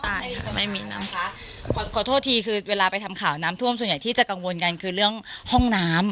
ใช่ค่ะไม่มีน้ำค้าขอโทษทีคือเวลาไปทำข่าวน้ำท่วมส่วนใหญ่ที่จะกังวลกันคือเรื่องห้องน้ำ